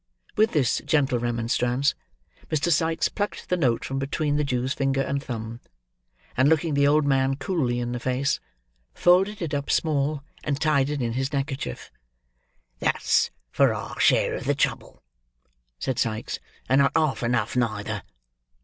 With this gentle remonstrance, Mr. Sikes plucked the note from between the Jew's finger and thumb; and looking the old man coolly in the face, folded it up small, and tied it in his neckerchief. "That's for our share of the trouble," said Sikes; "and not half enough, neither.